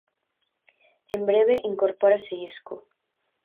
En breve incorpórase Isco.